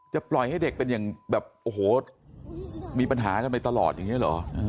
ปล่อยให้เด็กเป็นอย่างแบบโอ้โหมีปัญหากันไปตลอดอย่างนี้เหรอ